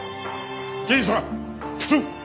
刑事さん頼む！